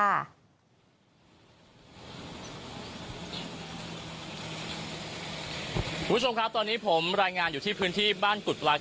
คุณผู้ชมครับตอนนี้ผมรายงานอยู่ที่พื้นที่บ้านกุฎปลา